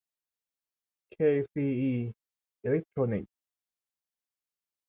เคซีอี อีเลคโทรนิคส์